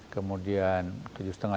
kemudian tujuh lima juta